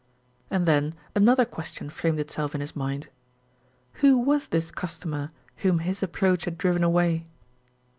And then another question framed itself in his mind: Who was this customer whom his approach had driven away?